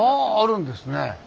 ああるんですね。